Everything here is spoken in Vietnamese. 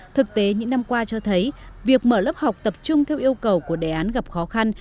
thực tế những năm qua cho thấy việc mở lớp học tập trung theo yêu cầu của đề án gặp khó khăn